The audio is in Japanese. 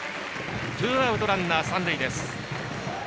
ツーアウトランナー、三塁です。